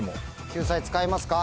救済使いますか？